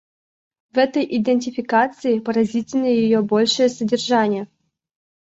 В этой идентификации поразительно ее большее содержание.